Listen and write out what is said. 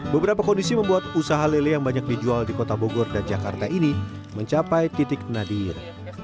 beberapa kondisi membuat usaha lele yang banyak dijual di kota bogor dan jakarta ini mencapai titik nadiir